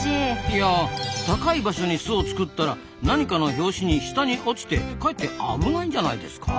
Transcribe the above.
いや高い場所に巣を作ったら何かの拍子に下に落ちてかえって危ないんじゃないですか？